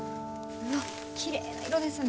きれいな色ですね